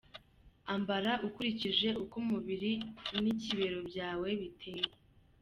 Ambara ukurikije uko umubiri nikimero byawe biteye.